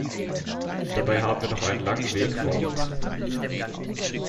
Dabei haben wir noch einen langen Weg vor uns.